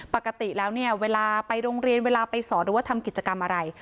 ปกติแล้วเนี่ยเวลาไปโรงเรียนเวลาไปสอนหรือว่าทำกิจกรรมอะไร